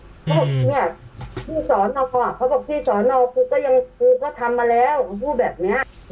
เขาบอกที่สอนเอาค่ะเขาบอกที่สอนเอาคุณก็ยังคุณก็ทำมาแล้วคุณพูดแบบเนี้ย